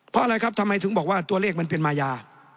เพราะอะไรครับทำไมถึงบอกว่าตัวเลขมันเป็นมายา